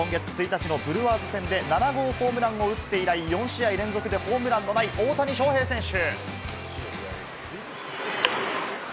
メジャーリーグ、今月１日のブリュワーズ戦で７号ホームランを打って以来、４試合連続でホームランが出ていない大谷翔平選手。